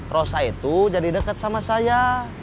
rosa itu jadi dekat sama saya